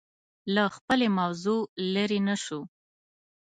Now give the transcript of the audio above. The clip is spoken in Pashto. له خپلې موضوع لرې نه شو